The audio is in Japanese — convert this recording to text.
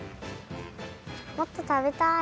もっとたべたい。